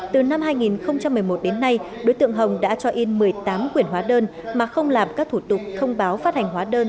từ năm hai nghìn một mươi một đến nay đối tượng hồng đã cho in một mươi tám quyển hóa đơn mà không làm các thủ tục thông báo phát hành hóa đơn